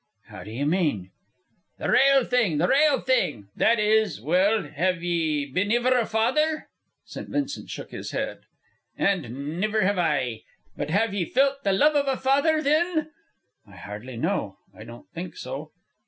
"How do you mean?" "The rale thing, the rale thing that is well, have ye been iver a father?" St. Vincent shook his head. "And niver have I. But have ye felt the love iv a father, thin?" "I hardly know. I don't think so."